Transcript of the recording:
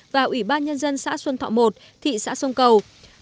và ủy ban nhân dân xã xuân thọ một thị xã sông cầu